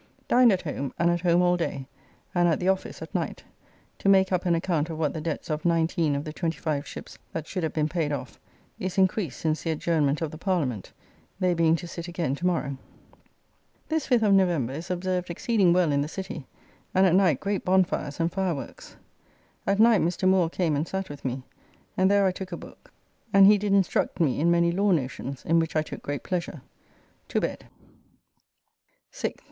Dined at home, and at home all day, and at the office at night, to make up an account of what the debts of nineteen of the twenty five ships that should have been paid off, is increased since the adjournment of the Parliament, they being to sit again to morrow. This 5th of November is observed exceeding well in the City; and at night great bonfires and fireworks. At night Mr. Moore came and sat with me, and there I took a book and he did instruct me in many law notions, in which I took great pleasure. To bed. 6th.